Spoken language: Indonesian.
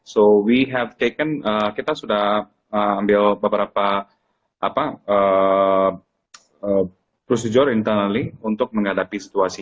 so we have taken kita sudah ambil beberapa prosedur internally untuk menghadapi situasi